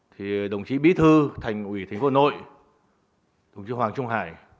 thì đồng chí bí thư thành ủy thành phố hà nội đồng chí hoàng trung hải